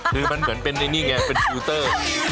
คือมันเหมือนเป็นนี่ไงเป็นฟิลเตอร์